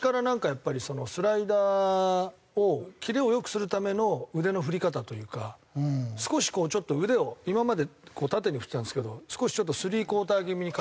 やっぱりそのスライダーをキレを良くするための腕の振り方というか少しこうちょっと腕を今まで縦に振ってたんですけど少しスリークオーター気味に。